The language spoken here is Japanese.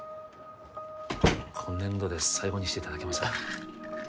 今年度で最後にしていただけませんか？